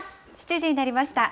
７時になりました。